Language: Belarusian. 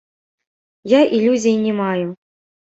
Я ілюзій не маю.